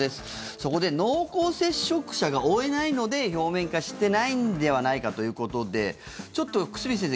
そこで濃厚接触者が追えないので表面化してないのではないかということでちょっと久住先生